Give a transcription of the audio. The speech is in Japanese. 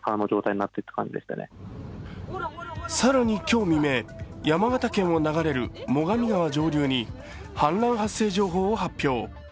更に今日未明、山形県を流れる最上川上流に氾濫発生情報を発表。